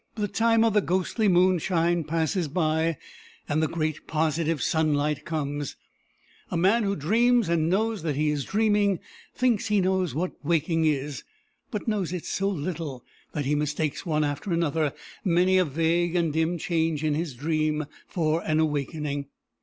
The time of the ghostly moonshine passes by, and the great positive sunlight comes. A man who dreams, and knows that he is dreaming, thinks he knows what waking is; but knows it so little, that he mistakes, one after another, many a vague and dim change in his dream for an awaking.